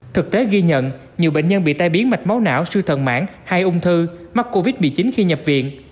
thực tế ghi nhận nhiều bệnh nhân bị tai biến mạch máu não sưu thần mãn hay ung thư mắc covid một mươi chín khi nhập viện